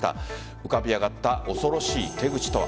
浮かび上がった恐ろしい手口とは。